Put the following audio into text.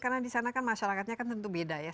karena di sana kan masyarakatnya tentu beda ya